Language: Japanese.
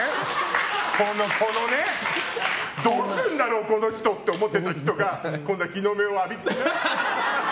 どうすんだろう、この人って思ってた人がこんな日の目を浴びてね。